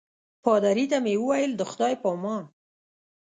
پادري ته مې وویل د خدای په امان.